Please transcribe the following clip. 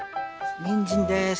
にんじんです。